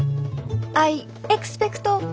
アイエクスペクト。